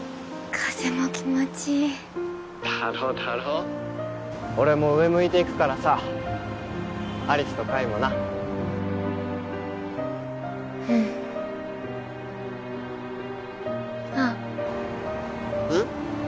風も気持ちいい☎だろだろ俺も上向いていくからさ有栖と海もなうんあっうん？